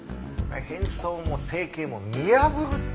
変装も整形も見破るって言うよね。